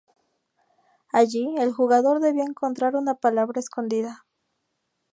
Allí, el jugador debía encontrar una palabra escondida.